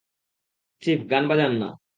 Chief, গান বাজান না।